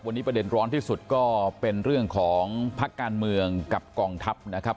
วันนี้ประเด็นร้อนที่สุดก็เป็นเรื่องของพักการเมืองกับกองทัพนะครับ